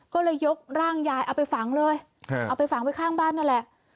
ก็เลยยกร่างยายเอาไปฝังเลยเอาไปฝังไว้ข้างบ้านนั่นแหละ